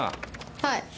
はい。